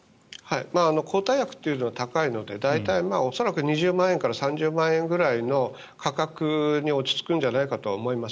抗体薬というのは高いので恐らく２０万円から３０万円ぐらいの価格に落ち着くんじゃないかと思います。